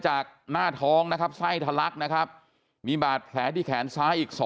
จากหน้าท้องนะครับไส้ทะลักนะครับมีบาดแผลที่แขนซ้ายอีก๒